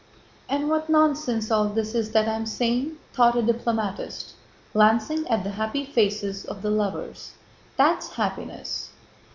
"And what nonsense all this is that I am saying!" thought a diplomatist, glancing at the happy faces of the lovers. "That's happiness!"